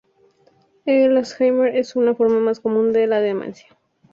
El alzheimer es la forma más común de la demencia.